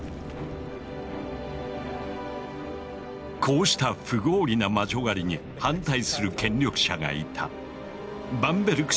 こうした不合理な魔女狩りに反対する権力者がいた。